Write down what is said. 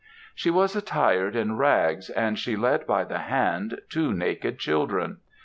She was attired in rags, and she led by the hand two naked children.